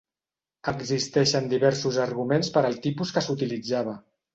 Existeixen diversos arguments per al tipus que s'utilitzava.